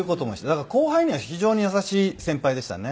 だから後輩には非常に優しい先輩でしたね。